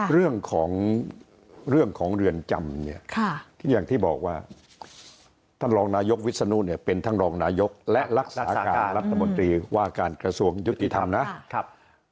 เรื่องของเรื่องของเรือนจำเนี่ยอย่างที่บอกว่าท่านรองนายกวิศนุเนี่ยเป็นทั้งรองนายกและรักษาการรัฐมนตรีว่าการกระทรวงยุติธรรมนะครับ